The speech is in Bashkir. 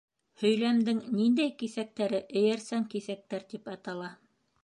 Һөйләмдең ниндәй киҫәктәре эйәрсән киҫәктәр тип атала?